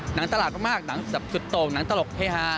หนังตลาดมากหนังสูตรโต่งหนังตลกเทฮา